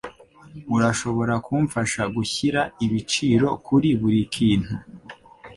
Urashobora kumfasha gushyira ibiciro kuri buri kintu?